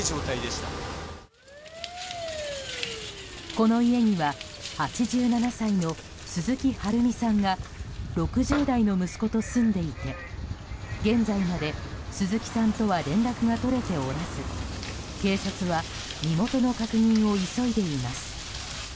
この家には８７歳の鈴木春美さんが６０代の息子と住んでいて現在まで鈴木さんとは連絡が取れておらず警察は身元の確認を急いでいます。